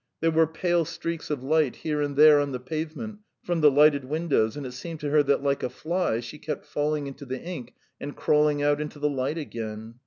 There were pale streaks of light here and there on the pavement, from the lighted windows, and it seemed to her that, like a fly, she kept falling into the ink and crawling out into the light again.